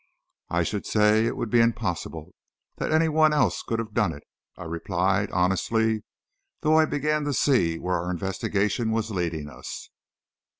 "I should say it would be impossible that anyone else could have done it," I replied, honestly, though I began to see where our investigation was leading us.